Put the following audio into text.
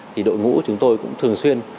thì đội ngũ của chúng tôi cũng thường xuyên